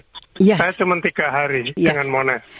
saya cuma tiga hari jangan mones